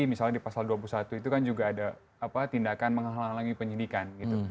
misalnya di pasal dua puluh satu itu kan juga ada tindakan menghalangi penyidikan gitu